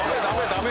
ダメ！